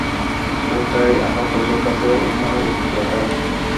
ও চায় আমরা পুলিশের কাছে ওর নামে রিপোর্ট লেখাই।